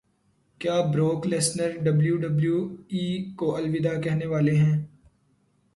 کیا Brock Lesnar W W E کو الوداع کہنے والے ہیں